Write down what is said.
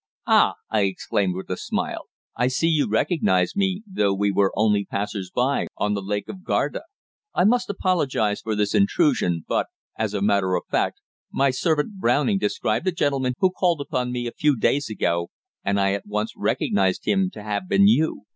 "Ah!" I exclaimed, with a smile, "I see you recognize me, though we were only passers by on the Lake of Garda! I must apologize for this intrusion, but, as a matter of fact, my servant Browning described a gentleman who called upon me a few days ago, and I at once recognized him to have been you.